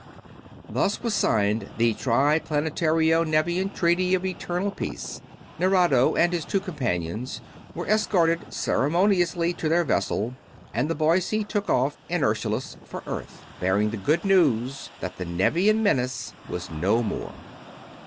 Thus was signed the Triplanetario Nevian Treaty of Eternal Peace. Nerado and his two companions were escorted ceremoniously to their vessel, and the Boise took off inertialess for Earth, bearing the good news that the Nevian menace was no more.